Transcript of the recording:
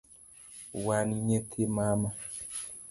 Wan nyithi mama